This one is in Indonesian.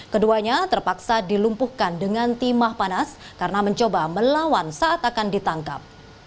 keduanya terpaksa dilumpuhkan dengan timah panas karena mencoba melawan saat akan ditangkap